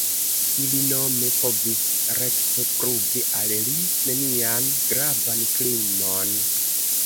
Ili nome povis rekte pruvi al li nenian gravan krimon.